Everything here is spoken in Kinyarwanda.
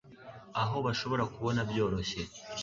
aho bashobora kubona byoroshye